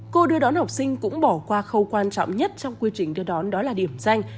cô đưa đón học sinh cũng bỏ qua khâu quan trọng nhất trong quy trình đưa đón đó là điểm danh